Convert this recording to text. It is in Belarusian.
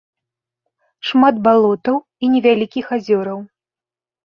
Шмат балотаў і невялікіх азёраў.